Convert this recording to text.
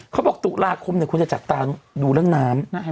เขาบอกตุลาคมคุณจะจัดตาดูเรื่องน้ำ